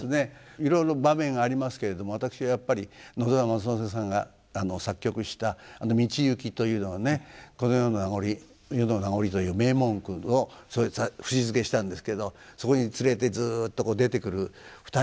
いろいろ場面がありますけれども私はやっぱり野澤松之輔さんが作曲した「道行」というのがね「この世の名残り夜も名残り」という名文句を節づけしたんですけどもそこにつれてずっと出てくる２人。